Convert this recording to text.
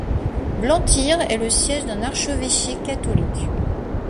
Blantyre est le siège d'un archevêché catholique.